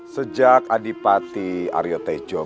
sejak adipati aryotejo menangis dari dunia kerajaan majapahit